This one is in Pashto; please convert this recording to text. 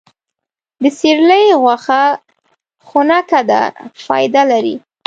د سیرلي غوښه خونکه ده، فایده لري.